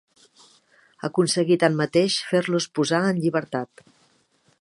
Aconseguí tanmateix fer-los posar en llibertat.